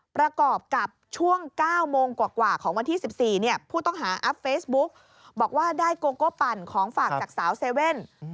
ประกอบกับช่วง๙โมงกว่าของวันที่๑๔ผู้ต้องหาอัพเฟซบุ๊กบอกว่าได้โกโก้ปั่นของฝากจากสาวเซเว่น